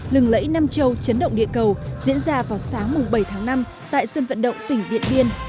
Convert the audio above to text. lẫy nam châu chấn động địa cầu diễn ra vào sáng bảy tháng năm tại sân vận động tỉnh điện biên